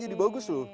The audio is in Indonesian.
tapi jadi bagus loh